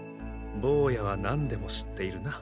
ボウヤは何でも知っているな。